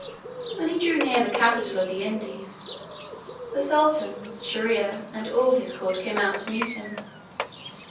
When he drew near the capital of the Indies, the sultan Shier ear and all his court came out to meet him.